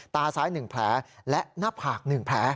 ตาซ้าย๑แผลและหน้าผาก๑แผล